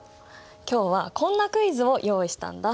今日はこんなクイズを用意したんだ。